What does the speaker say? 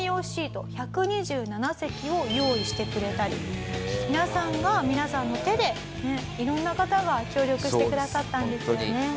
シート１２７席を用意してくれたり皆さんが皆さんの手で色んな方が協力してくださったんですよね。